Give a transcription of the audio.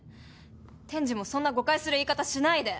天智もそんな誤解する言い方しないで。